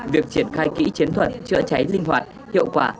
việc triển khai kỹ chiến thuật chữa cháy linh hoạt hiệu quả